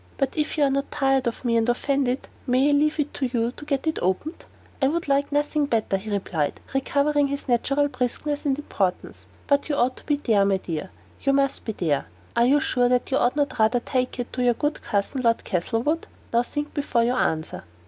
But if you are not tired of me and offended, may I leave it to you to get it opened?" "I would like nothing better," he replied, recovering his natural briskness and importance; "but you ought to be there, my dear; you must be there. Are you sure that you ought not rather to take it to your good cousin Lord Castlewood? Now think before you answer."